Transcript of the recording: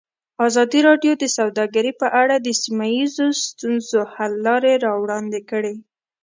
ازادي راډیو د سوداګري په اړه د سیمه ییزو ستونزو حل لارې راوړاندې کړې.